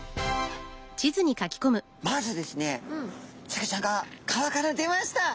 まずですねサケちゃんが川から出ました。